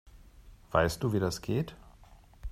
Weißt du, wie das geht?